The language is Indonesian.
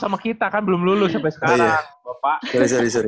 sama kita kan belum lulus sampai sekarang